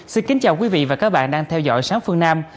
xin kính chào quý vị và các bạn đang theo dõi sáng phương nam